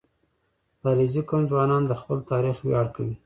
• د علیزي قوم ځوانان د خپل تاریخ ویاړ کوي.